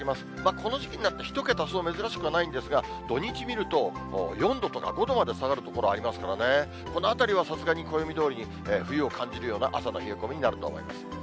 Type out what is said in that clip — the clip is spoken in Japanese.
この時期になると１桁、そう珍しくはないんですが、土日見ると、４度とか５度まで下がる所ありますからね、このあたりはさすがに、暦どおりに冬を感じるような朝の冷え込みになると思います。